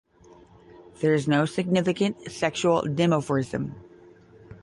There is no significant sexual dimorphism.